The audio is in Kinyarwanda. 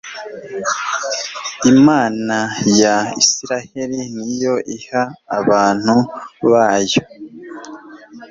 Imana ya Israheli ni yo iha abantu bayo